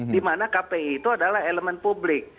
dimana kpi itu adalah elemen publik